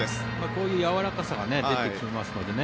こういうやわらかさが出てきますのでね。